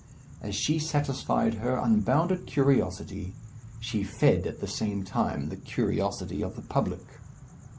As she satisfied her unbounded curiosity, she fed at the same time the curiosity of the public.